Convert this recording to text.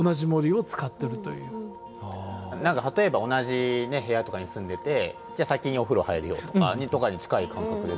なんか例えば同じね部屋とかに住んでて「じゃあ先にお風呂入るよ」とかに近い感覚ですよね。